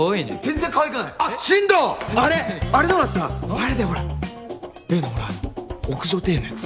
あれだよほら例のほらあの屋上庭園のやつ。